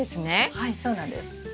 はいそうなんです。